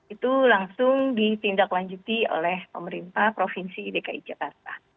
itu langsung ditindaklanjuti oleh pemerintah provinsi dki jakarta